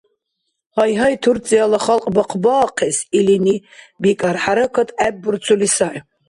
Гьайгьай. Турцияла халкь бахъбаахъес илини, бикӀар, хӀяракат гӀеббурцули сай.